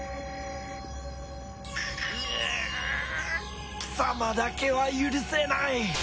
ぐーっ貴様だけは許せない！